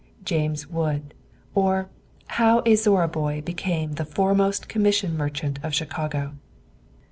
JAMES WOOD; OR, HOW A ZORRA BOY BECAME THE FOREMOST COMMISSION MERCHANT OF CHICAGO.